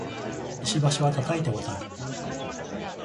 石橋は叩いて渡る